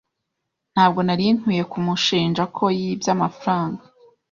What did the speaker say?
Ntabwo nari nkwiye kumushinja ko yibye amafaranga.